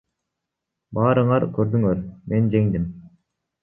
Баарыңар көрдүңөр, мен жеңдим.